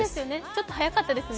ちょっと早かったですね。